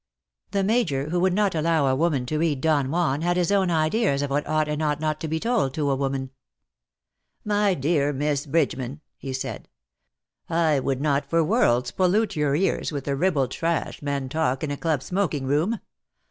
The Major, who would not allow a woman to read ^'^Don Juan," had his own ideas of what ought and ought not to be told to a woman. " My dear Miss Bridgeman," he said, ^' I would not for worlds pollute your ears with the ribald IN SOCIETY. 177 trash men talk in a club smoking room.